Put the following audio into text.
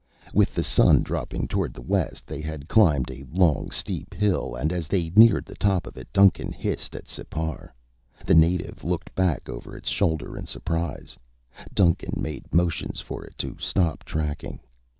With the sun dropping toward the west, they had climbed a long, steep hill and as they neared the top of it, Duncan hissed at Sipar. The native looked back over its shoulder in surprise. Duncan made motions for it to stop tracking.